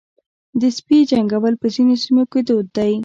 د سپي جنګول په ځینو سیمو کې دود دی.